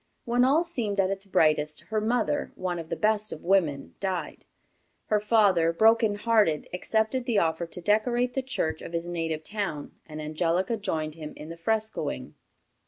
When all seemed at its brightest, her mother, one of the best of women, died. Her father, broken hearted, accepted the offer to decorate the church of his native town, and Angelica joined him in the frescoing.